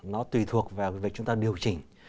nó tùy thuộc vào việc chúng ta điều chỉnh